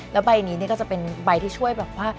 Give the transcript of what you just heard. แล้วใบนี้ก็จะเป็นใบที่ช่วยแบบว่า